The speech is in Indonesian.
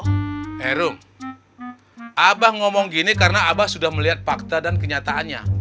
herung abah ngomong gini karena abah sudah melihat fakta dan kenyataannya